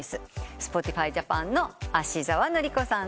ＳｐｏｔｉｆｙＪａｐａｎの芦澤紀子さんです。